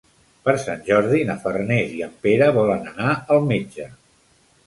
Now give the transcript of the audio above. Per Sant Jordi na Farners i en Pere volen anar al metge.